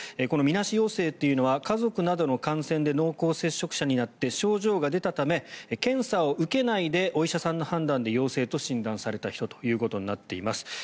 このみなし陽性というのは家族などの感染で濃厚接触者になって症状が出たため検査を受けないでお医者さんの判断で陽性と診断された人ということになっています。